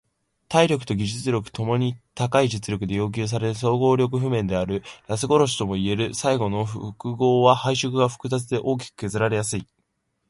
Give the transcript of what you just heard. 体力と技術共に高い実力で要求される総合力譜面である。ラス殺しともいえる最後の複合は配色が複雑で大きく削られやすい。